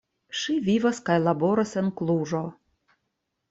Ŝi vivas kaj laboras en Kluĵo.